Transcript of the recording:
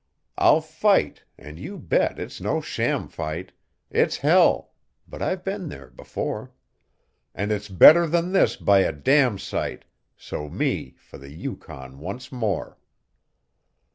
I'll fight and you bet it's no sham fight; It's hell! but I've been there before; And it's better than this by a damsite So me for the Yukon once more.